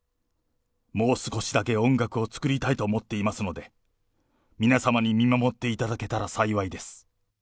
もう少しだけ音楽を作りたいと思っていますので、皆様に見守っていただけたら幸いです。